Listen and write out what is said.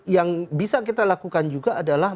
yang bisa kita lakukan juga adalah